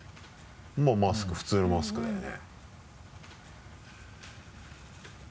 まぁマスク普通のマスクだよね。